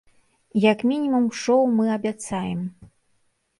Як мінімум шоў мы абяцаем!